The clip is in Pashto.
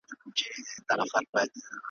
بیرته سم پر لار روان سو ګړندی سو `